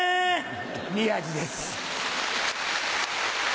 宮治です。